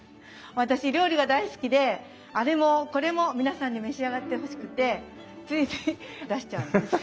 私料理が大好きであれもこれも皆さんに召し上がってほしくてついつい出しちゃうんです。